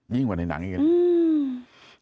ยิ่งกว่าในหนังอีกแล้ว